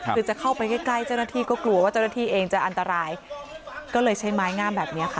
คือจะเข้าไปใกล้ใกล้เจ้าหน้าที่ก็กลัวว่าเจ้าหน้าที่เองจะอันตรายก็เลยใช้ไม้งามแบบนี้ค่ะ